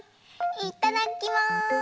いただきます！